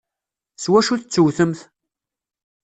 S wacu tettewtemt?